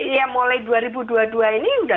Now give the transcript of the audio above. ya mulai dua ribu dua puluh dua ini sudah